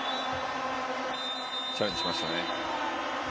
チャレンジしましたね。